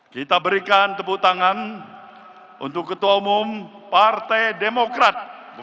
kita berikan tepuk tangan untuk ketua umum partai demokrat